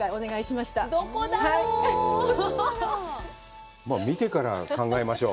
まあ見てから考えましょう。